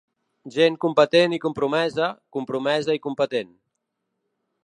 Gent competent i compromesa, compromesa i competent.